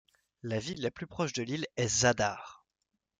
La ville la plus proche de l'île est Zadar.